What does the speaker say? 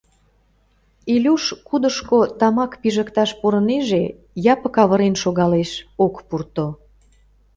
Илюш кудышко тамак пижыкташ пурынеже — Япык авырен шогалеш, ок пурто.